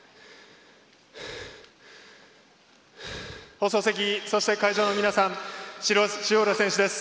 放送席、そして会場の皆さん塩浦選手です。